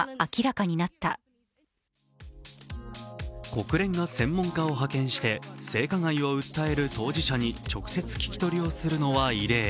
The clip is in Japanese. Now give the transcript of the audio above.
国連が専門家を派遣して性加害を訴える当事者に直接聞き取りをするのは異例。